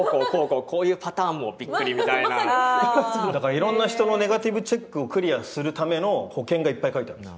いろんな人のネガティブチェックをクリアするための保険がいっぱい書いてあるんです。